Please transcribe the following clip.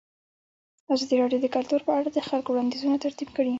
ازادي راډیو د کلتور په اړه د خلکو وړاندیزونه ترتیب کړي.